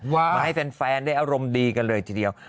มาให้แฟนได้อารมณ์ดีกันเลยทีเดียว